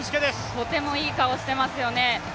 とてもいい顔をしていますよね。